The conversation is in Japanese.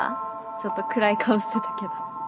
ちょっと暗い顔してたけど。